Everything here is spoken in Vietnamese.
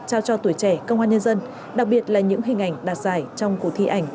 trao cho tuổi trẻ công an nhân dân đặc biệt là những hình ảnh đạt giải trong cuộc thi ảnh